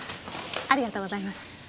ありがとうございます。